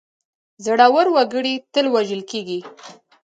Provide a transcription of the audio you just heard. زړه ور وګړي تل وژل کېږي.